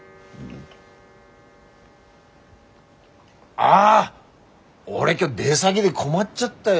あっ俺今日出先で困っちゃったよ。